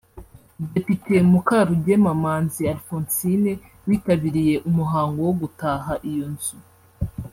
Depite Mukarugema Manzi Alphonsine witabiriye umuhango wo gutaha iyo nzu